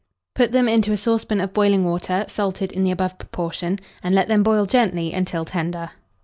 Put them into a saucepan of boiling water, salted in the above proportion, and let them boil gently until tender.